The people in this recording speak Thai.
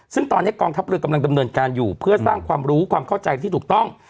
ซึ่งตอนนี้กองทัพเรือกำลังดำเนินการอยู่เพื่อสร้างความรู้ความเข้าใจที่ถูกต้อง